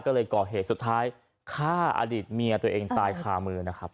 ก็เลยก่อเหตุสุดท้ายฆ่าอดีตเมียตัวเองตายคามือนะครับ